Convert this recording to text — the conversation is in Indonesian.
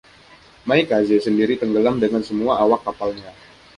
"Maikaze" sendiri tenggelam dengan semua awak kapalnya.